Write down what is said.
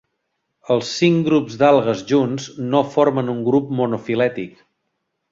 Els cinc grups d'algues junts no formen un grup monofilètic.